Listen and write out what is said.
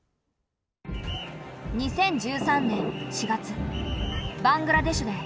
２０１３年４月バングラデシュでビルがとうかい。